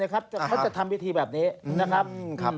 เขาจะทำพิธีแบบนี้นะครับ